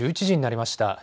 １１時になりました。